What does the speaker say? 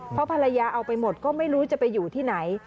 เพราะภรรยาเอาไปหมดก็ไม่รู้จะไปอยู่ที่ไหน